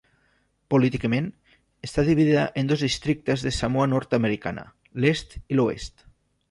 Políticament, està dividida en dos districtes de Samoa nord-americana, l'Est i l'Oest.